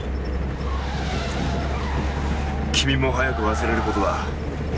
君も早く忘れる事だ。